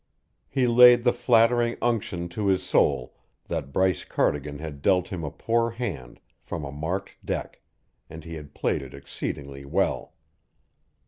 He laid the flattering unction to his soul that Bryce Cardigan had dealt him a poor hand from a marked deck and he had played it exceedingly well.